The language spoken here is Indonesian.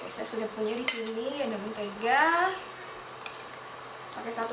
saya sudah punya di sini ada mentega pakai satu sendok makan aja cukup